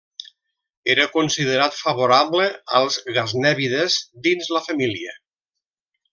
Era considerat favorable als gaznèvides dins la família.